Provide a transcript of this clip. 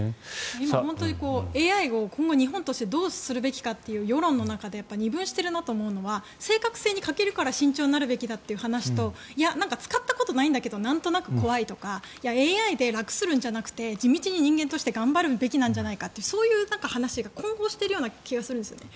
今、ＡＩを今後日本としてどうするべきかという世論の中で二分しているなと思うのが正確性に欠けるから慎重になるべきだという話と使ったことないんだけどなんとなく怖いとかＡＩで楽するんじゃなくて地道に人間として頑張るべきなんじゃないかというそういう話が混同しているような気がするんですね。